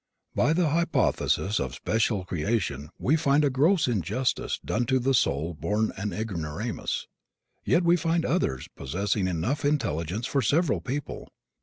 By the hypothesis of special creation we find a gross injustice done to the soul born an ignoramus. Yet we find others possessing enough intelligence for several people.